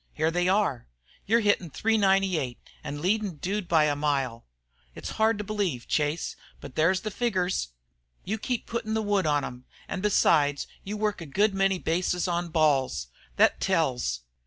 Here they are. You're hittin' 398, an' leadin' the Dude by a mile. It's hard to believe, Chase, but there's the figgers. You keep puttin' the wood on 'em, an' besides you work a good many bases on balls. Thet tells.